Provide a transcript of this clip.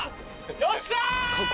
よっしゃ！